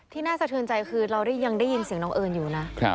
น่าสะเทือนใจคือเรายังได้ยินเสียงน้องเอิญอยู่นะ